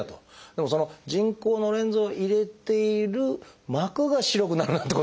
でもその人工のレンズを入れている膜が白くなるなんてことがあるんですね。